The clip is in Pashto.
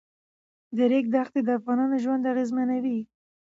د ریګ دښتې د افغانانو ژوند اغېزمنوي.